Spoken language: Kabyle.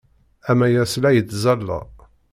Amayas la yettẓalla.